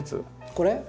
これ？